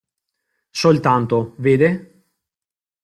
Soltanto, vede?